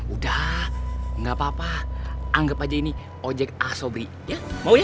udah gak apa apa anggap aja ini ojek ah sobri ya mau ya